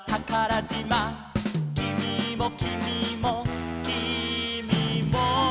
「きみもきみもきみも」